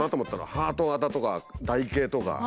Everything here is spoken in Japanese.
ハート型とか台形とか。